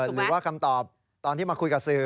หรือว่าคำตอบตอนที่มาคุยกับสื่อ